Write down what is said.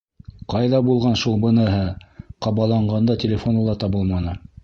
- Ҡайҙа булған шул быныһы? - ҡабаланғанда телефоны ла табылманы.